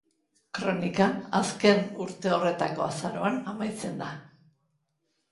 Kronika, azken urte horretako azaroan amaitzen da.